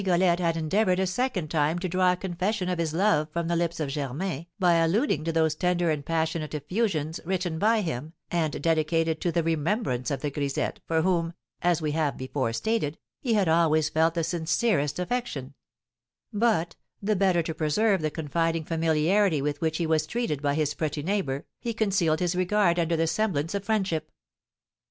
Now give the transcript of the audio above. Rigolette had endeavoured a second time to draw a confession of his love from the lips of Germain by alluding to those tender and passionate effusions written by him, and dedicated to the remembrance of the grisette, for whom, as we have before stated, he had always felt the sincerest affection; but, the better to preserve the confiding familiarity with which he was treated by his pretty neighbour, he concealed his regard under the semblance of friendship.